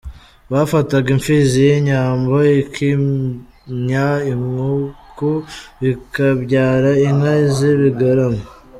Bafataga imfizi y’inyambo ikimya inkuku bikabyara inka z’ibigarama.